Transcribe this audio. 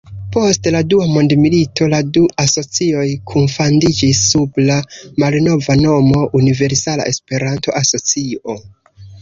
Post la dua mondomilito la du asocioj kunfandiĝis sub la malnova nomo Universala Esperanto-Asocio.